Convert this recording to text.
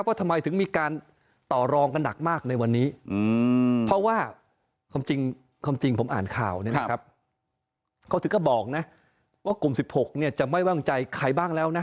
เพราะว่าความจริงผมอ่านข่าวนะครับเขาถึงก็บอกนะว่ากลุ่ม๑๖จะไม่ไว้วางใจใครบ้างแล้วนะ